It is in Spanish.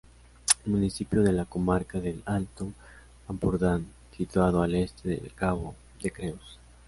Municipio de la comarca del Alto Ampurdán situado al este del cabo de Creus.